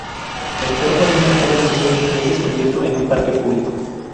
El cuerpo de una joven mujer es descubierto en un parque público.